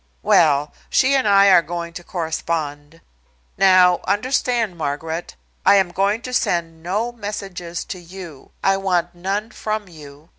"Well, she and I are going to correspond. Now, understand, Margaret, I am going to send no messages to you. I want none from you.